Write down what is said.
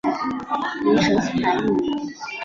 灵神星来命名。